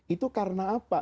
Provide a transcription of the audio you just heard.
itu karena apa